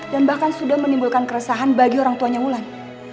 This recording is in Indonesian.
dan bahkan sudah menimbulkan keresahan bagi orang tuanya umlan